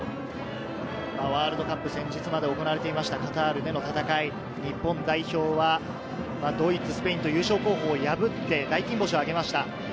ワールドカップ、先日まで行わていました、カタールでの戦い、日本代表はドイツ、スペインという優勝候補を破って大金星を挙げました。